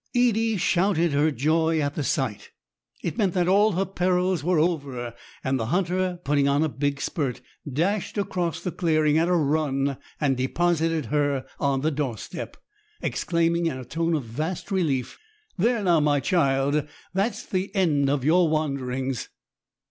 Edie shouted her joy at the sight. It meant that all her perils were over; and the hunter, putting on a big spurt, dashed across the clearing at a run and deposited her on the doorstep, exclaiming in a tone of vast relief,— "There now, my child, that's the end of your wanderings!"